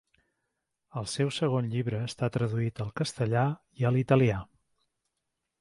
El seu segon llibre està traduït al castellà i a l'italià.